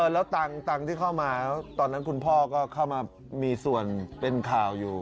แล้วตังค์ที่เข้ามาตอนนั้นคุณพ่อก็เข้ามามีส่วนเป็นข่าวอยู่